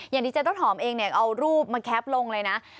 อย่างดีเจต้นหอมเองเนี่ยเอารูปมาลงเลยน่ะ